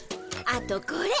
あとこれ。